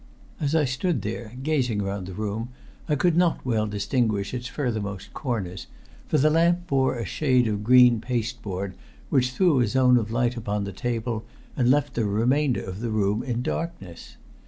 As I stood there, gazing round the room, I could not well distinguish its furthermost corners, for the lamp bore a shade of green paste board, which threw a zone of light upon the table, and left the remainder of the room in darkness.